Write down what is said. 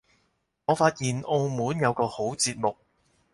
我發現澳門有個好節目